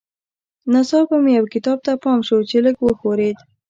ناڅاپه مې یو کتاب ته پام شو چې لږ وښورېد